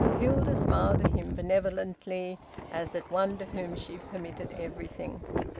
Hilda smiled at him benevolently as at one to whom she permitted everything.